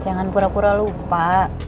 jangan kura kura lupa